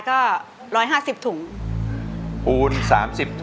ขอบคุณครับ